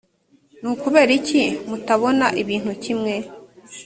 ni ukubera iki mutabona ibintu kimwe